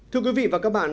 thưa quý vị và các bạn